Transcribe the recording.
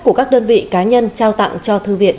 của các đơn vị cá nhân trao tặng cho thư viện